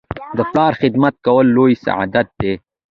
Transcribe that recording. د پلار خدمت کول لوی سعادت دی.